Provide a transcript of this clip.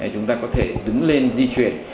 chúng ta có thể đứng lên di chuyển